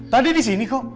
tadi disini kok